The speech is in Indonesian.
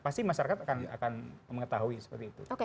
pasti masyarakat akan mengetahui seperti itu